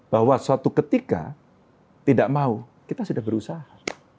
bahwa suatu ketika tidak mau kita sudah berusaha